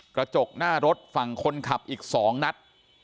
กระจกหน้ารถฝั่งคนขับอีก๒นัด